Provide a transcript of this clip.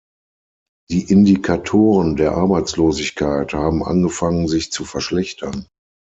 Die Indikatoren der Arbeitslosigkeit haben angefangen, sich zu verschlechtern.